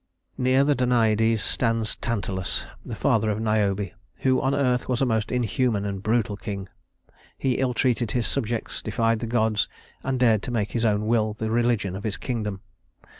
Near the Danaïdes stands Tantalus, the father of Niobe, who on earth was a most inhuman and brutal king. He ill treated his subjects, defied the gods, and dared to make his own will the religion of his kingdom.